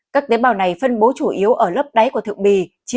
các tế bào này phân bố chủ yếu ở lớp đáy của thượng bì chín mươi